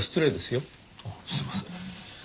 すいません。